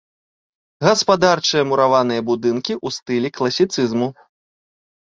Гаспадарчыя мураваныя будынкі ў стылі класіцызму.